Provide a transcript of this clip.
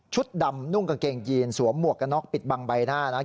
ดำนุ่งกางเกงยีนสวมหมวกกระน็อกปิดบังใบหน้านะครับ